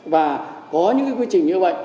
và có những cái quy trình như vậy